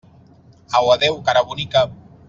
Au, adéu, cara bonica!